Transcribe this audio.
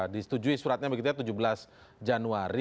disetujui suratnya begitu ya tujuh belas tiga dua ribu empat belas